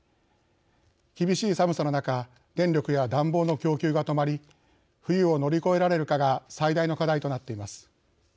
厳しい寒さの中電力や暖房の供給が止まり冬を乗り越えられるかが最大の課題となっています。